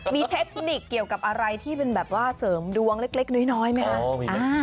มีเทคนิคเกี่ยวกับอะไรที่เป็นแบบว่าเสริมดวงเล็กน้อยไหมคะ